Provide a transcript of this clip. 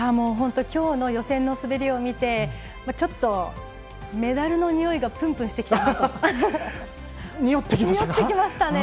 今日の予選の滑りを見てちょっとメダルのにおいがぷんぷんしてきました。